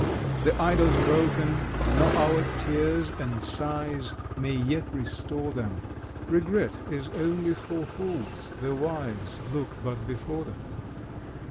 The idols broken, nor our tears and sighs, May yet restore them. Regret is only for fools; the wise Look but before them.